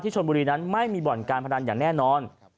ชนบุรีนั้นไม่มีบ่อนการพนันอย่างแน่นอน